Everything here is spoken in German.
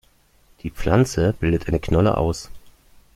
Die Pflanze bildet eine Knolle aus.